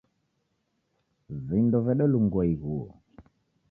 Vindo vedelungua ighuo.